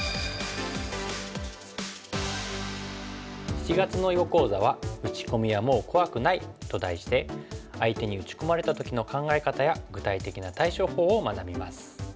７月の囲碁講座は「打ち込みはもう怖くない」と題して相手に打ち込まれた時の考え方や具体的な対処法を学びます。